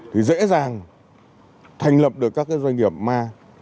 thì dễ dàng thành lập được các cái doanh nghiệp ma